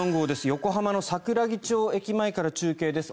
横浜の桜木町駅前から中継です。